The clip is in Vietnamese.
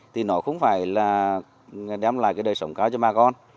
thì nó không phải là đem lại cái đời sống cao cho bà con